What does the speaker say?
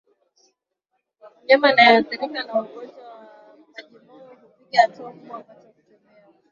Mnyama aliyeathirika na ugonjwa wa mamjimoyo hupiga hatua kubwa wakati wa kutembea